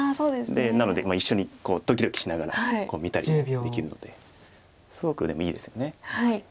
なので一緒にドキドキしながら見たりできるのですごくでもいいですよね。